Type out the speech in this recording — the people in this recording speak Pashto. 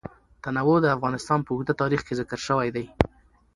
تنوع د افغانستان په اوږده تاریخ کې ذکر شوی دی.